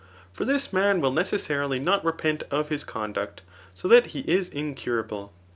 For this man will ne cessarily not repent of his conduct ; so that he is incura ble.